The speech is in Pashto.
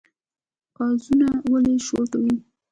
قازونه ولې شور کوي؟